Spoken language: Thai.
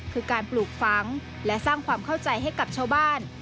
คือการปลูกฝังและสร้างความเข้าใจให้กับชาวบ้าน